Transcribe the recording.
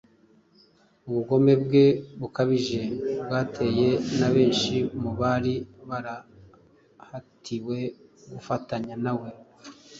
Ubugome bwe bukabije bwateye na benshi mu bari barahatiwe gufatanya na we